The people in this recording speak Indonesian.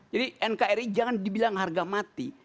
jadi nkri jangan dibilang harga mati